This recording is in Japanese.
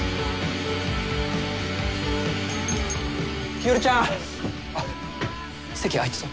日和ちゃんあっ席空いてそう？